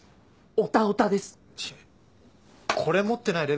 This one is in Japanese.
オタオタです！